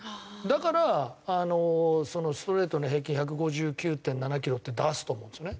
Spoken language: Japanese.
だからあのストレートの平均１５９．７キロって出すと思うんですね。